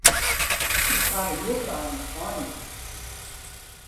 Ich frage nur für einen Freund.